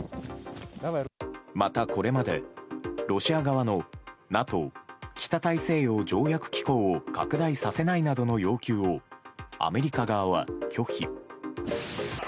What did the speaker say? また、これまでロシア側のＮＡＴＯ・北大西洋条約機構を拡大させないなどの要求をアメリカ側は拒否。